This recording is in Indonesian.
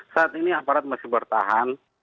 saat ini aparat masih bertahan